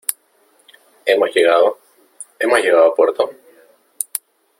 ¿ hemos llegado ?¿ hemos llegado a puerto ?